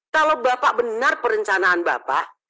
kalau bapak benar perencanaan bapak